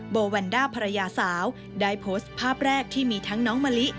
โบวันด้าภรรยาสาวได้โพสต์ภาพแรกที่มีทั้งน้องมะลิ